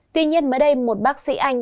tuy nhiên mới đây một bác sĩ anh